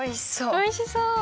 おいしそ。